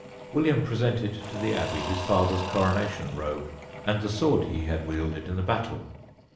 William presented to the Abbey his father's coronation robe and the sword he had wielded in the battle.